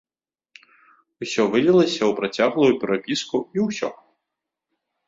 Усё вылілася ў працяглую перапіску і ўсё.